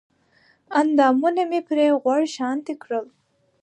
اندامونه مې پرې غوړ شانتې کړل